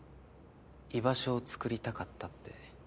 居場所を作りたかったって。